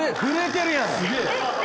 すげえ！